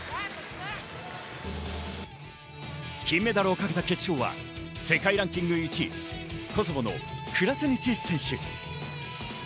金メダルをかけた決勝は、世界ランキング１位、コソボのクラスニチ選手。